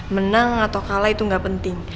menang atau kalah itu nggak penting